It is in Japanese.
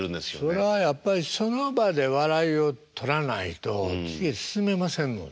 それはやっぱりその場で笑いを取らないと次へ進めませんもんね。